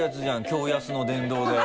驚安の殿堂で。